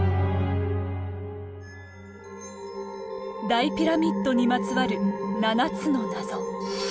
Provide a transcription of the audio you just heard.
大ピラミッドにまつわる七つの謎。